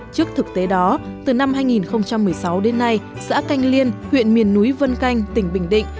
trước thực tế đó từ năm hai nghìn một mươi sáu đến nay xã canh liên huyện miền núi vân canh tỉnh bình định